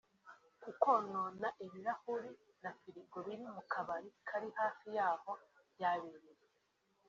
Ku konona ibirahure na firigo biri mu kabari kari hafi y’aho byabereye